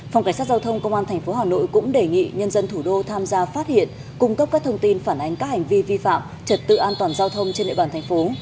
phòng cảnh sát giao thông công an tp hà nội cũng đề nghị nhân dân thủ đô tham gia phát hiện cung cấp các thông tin phản ánh các hành vi vi phạm trật tự an toàn giao thông trên địa bàn thành phố